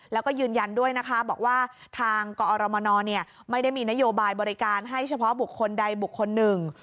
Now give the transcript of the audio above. แล้วก็ยืนยันด้วยนะคะบอกว่าทางกอรมนไม่ได้มีนโยบายบริการให้เฉพาะบุคคลใดบุคคลหนึ่ง